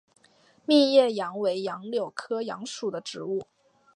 密叶杨为杨柳科杨属的植物。